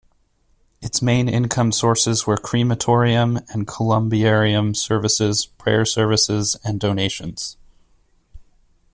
Its main income sources were crematorium and columbarium services, prayer services and donations.